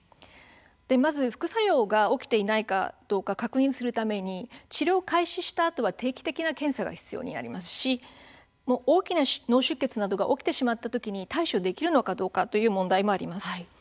まず副作用が起きていないか確認するために治療開始をしたあとは定期的な検査が必要になりますし大きな脳出血などが起きてしまった時に対処できるのかという問題もあります。